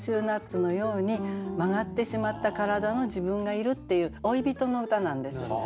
ナッツのように曲がってしまった体の自分がいるっていう老い人の歌なんです。